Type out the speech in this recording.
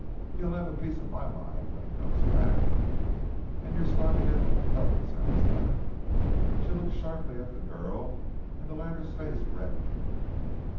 He'll have a piece of my mind when he comes back! An' you're stoppin' at the old Huggins house, eh?" She looked sharply at the girl, and the latter's face reddened.